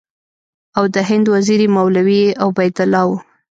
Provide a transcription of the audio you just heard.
او د هند وزیر یې مولوي عبیدالله و.